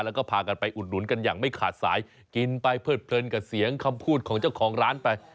แล้วก็พากันไปอุดหนุนกันอย่างไม่ขาดสายกินไปเพิดเพลินกับเสียงคำพูดของเจ้าของร้านไป